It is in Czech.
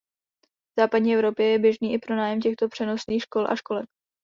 V západní Evropě je běžný i pronájem těchto přenosných škol a školek.